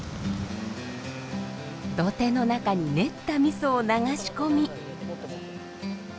土手の中に練ったみそを流し込み。